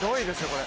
これ。